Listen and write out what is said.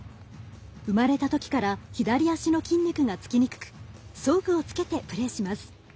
生まれたときから左足の筋肉がつきにくく装具をつけてプレーします。